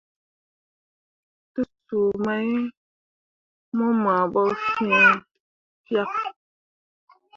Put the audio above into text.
Te suu mai mo maa ɓo fẽefyak.